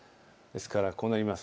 こうなります。